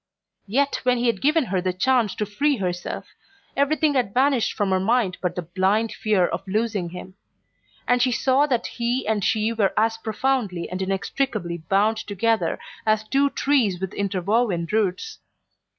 Yet when he had given her the chance to free herself, everything had vanished from her mind but the blind fear of losing him; and she saw that he and she were as profoundly and inextricably bound together as two trees with interwoven roots.